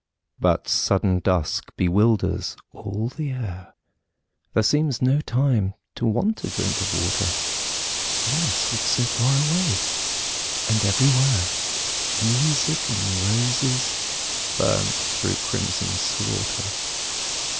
But sudden dusk bewilders all the air There seems no time to want a drink of water. Nurse looks so far away. And everywhere Music and roses burnt through crimson slaughter.